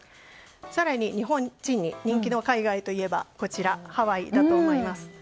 更に日本人に人気の海外といえばハワイだと思います。